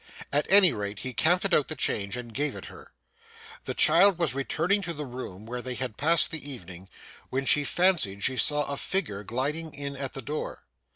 At any rate, he counted out the change, and gave it her. The child was returning to the room where they had passed the evening, when she fancied she saw a figure just gliding in at the door.